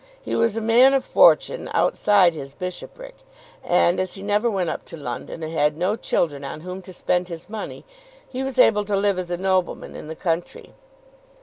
He was a man of fortune outside his bishopric; and, as he never went up to London, and had no children on whom to spend his money, he was able to live as a nobleman in the country.